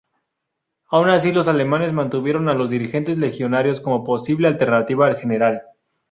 Aun así, los alemanes mantuvieron a los dirigentes legionarios como posible alternativa al general.